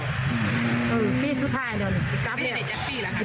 อือปีสุดท้ายเดี๋ยวหรือ๑๙แล้ว